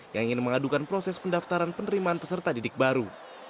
yang ingin mengadukan proses pendaftaran penerimaan peserta didik baru